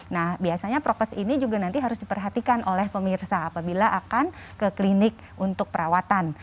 nah biasanya prokes ini juga nanti harus diperhatikan oleh pemirsa apabila akan ke klinik untuk perawatan